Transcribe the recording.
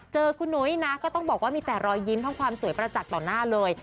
เจอคุณนุ้ยนะก็ต้องบอกว่ามีแต่รอยยิ้มทั้งความสวยประจักษ์ต่อหน้าเลย